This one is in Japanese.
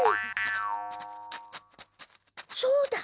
そうだ。